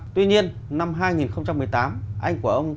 tuy nhiên năm hai nghìn một mươi tám anh của ông